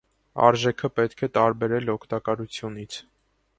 Արժեքը պետք է տարբերել օգտակարությունից։